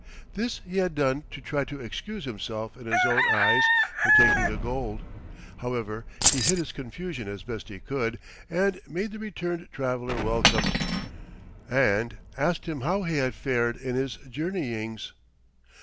This he had done to try to excuse himself in his own eyes for taking the gold. However he hid his confusion as best he could, and made the returned traveller welcome, and asked him how he had fared in his journeyings.